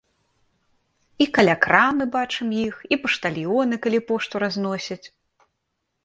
І каля крамы бачым іх, і паштальёны, калі пошту разносяць.